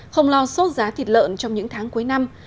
không lo sốt giá thịt lợn trong những tháng cuối năm